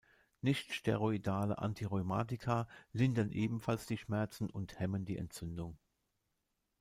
Nichtsteroidale Antirheumatika lindern ebenfalls die Schmerzen und hemmen die Entzündung.